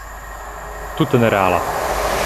Tute nereala!